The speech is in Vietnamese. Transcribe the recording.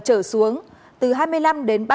trở xuống từ hai mươi năm đến